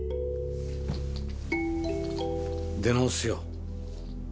出直すよ。